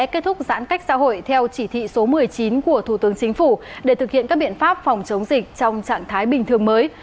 kết thúc giãn cách xã hội theo chỉ thị số một mươi chín của thủ tướng chính phủ để thực hiện các biện pháp phòng chống dịch trong trạng thái bình thường mới